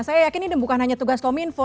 saya yakin ini bukan hanya tugas kominfo